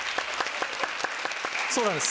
そうなんです。